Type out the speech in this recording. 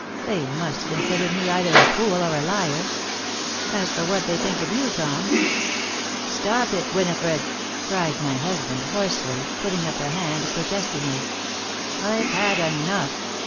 They must consider me either a fool or a liar. As for what they think of you, Tom " "Stop it, Winifred!" cried my husband, hoarsely, putting up a hand protestingly. "I've had enough.